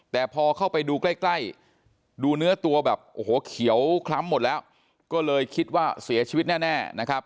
แต่พอเข้าไปดูใกล้ใกล้ดูเนื้อตัวแบบโอ้โหเขียวคล้ำหมดแล้วก็เลยคิดว่าเสียชีวิตแน่นะครับ